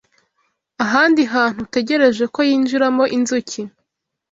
Ahandi hantu utegereje ko yinjiramo inzuki